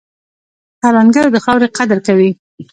کروندګر د خاورې قدر کوي